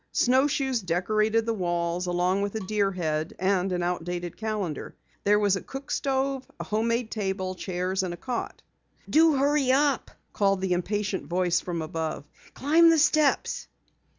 Snowshoes decorated the walls along with a deer head and an out dated calendar. There was a cook stove, a homemade table, chairs, and a cot. "Do hurry up!" called the impatient voice from above. "Climb the steps."